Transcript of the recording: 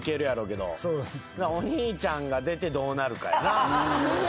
お兄ちゃんが出てどうなるかやな。